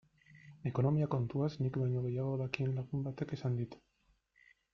Ekonomia kontuaz nik baino gehiago dakien lagun batek esan dit.